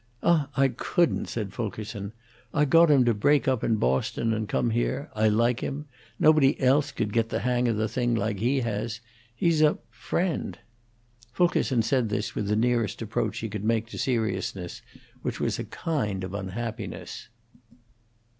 "Ah, I couldn't," said Fulkerson. "I got him to break up in Boston and come here; I like him; nobody else could get the hang of the thing like he has; he's a friend." Fulkerson said this with the nearest approach he could make to seriousness, which was a kind of unhappiness.